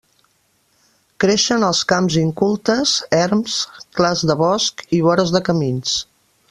Creixen als camps incultes, erms, clars de bosc i vores de camins.